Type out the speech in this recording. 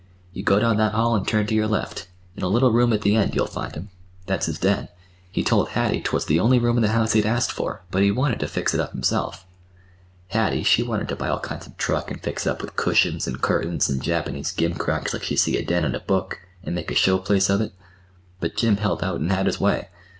You go down that hall and turn to your left. In a little room at the end you'll find him. That's his den. He told Hattie 'twas the only room in the house he'd ask for, but he wanted to fix it up himself. Hattie, she wanted to buy all sorts of truck and fix it up with cushions and curtains and Japanese gimcracks like she see a den in a book, and make a showplace of it. But Jim held out and had his way.